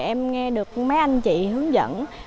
em nghe được mấy anh chị hướng dẫn